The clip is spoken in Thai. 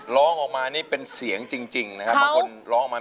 ร้องออกมานี่เป็นเสียงจริงนะครับ